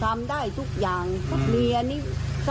เออพาไปชงเลยเฟรนด์นี้เลยพาไปชง